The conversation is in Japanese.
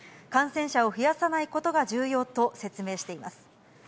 感染者を増やさないことが重要と説明しています。